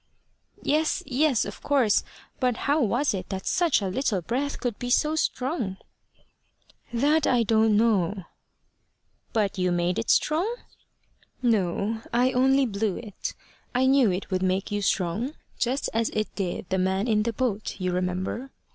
"Yes, yes; of course. But how was it that such a little breath could be so strong?" "That I don't know." "But you made it strong?" "No: I only blew it. I knew it would make you strong, just as it did the man in the boat, you remember.